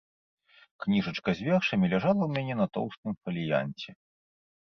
Кніжачка з вершамі ляжала ў мяне на тоўстым фаліянце.